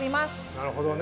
なるほどね。